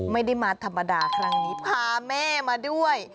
ไม่ได้มาธรรมดาครั้งนี้พาแม่มาด้วย